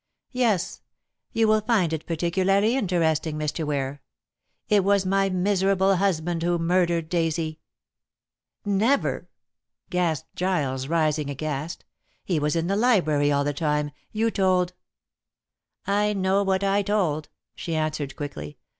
"Yes. You will find it particularly interesting, Mr. Ware. It was my miserable husband who murdered Daisy." "Never!" gasped Giles, rising aghast. "He was in the library all the time. You told " "I know what I told," she answered quickly.